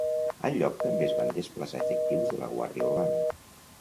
Al lloc també es van desplaçar efectius de la Guàrdia Urbana.